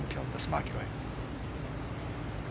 マキロイ。